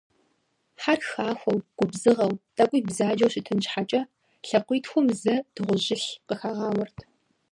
Хьэр хахуэу, губзыгъэу, тӀэкӀуи бзаджэу щытын щхьэкӀэ лӀакъуитхум зэ дыгъужьылъ къыхагъауэрт.